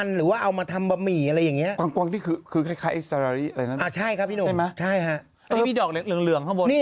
หรือ